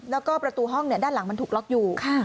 แล้วก็ประตูห้องด้านหลังมันถูกล็อกอยู่